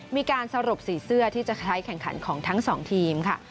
มีการสรุปสีเสื้อที่จะใช้แข่งขันของทั้งสองทีมค่ะ